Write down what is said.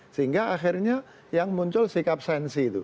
sehingga akhirnya yang muncul sikap sensi itu